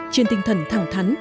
trên tinh thần thẳng thắn